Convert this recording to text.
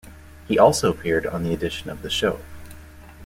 He also appeared on the edition of the show.